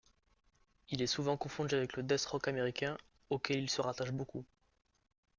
Il est souvent confondu avec le death rock américain auquel il se rattache beaucoup.